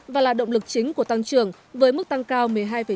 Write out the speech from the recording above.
và là động lực chính của tăng trưởng với mức tăng cao một mươi hai chín mươi tám